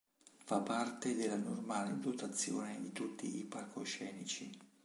Fa parte della normale dotazione di tutti i palcoscenici.